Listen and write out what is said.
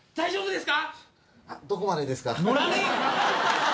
大丈夫ですか？